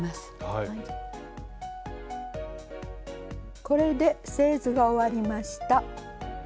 これで製図が終わりました。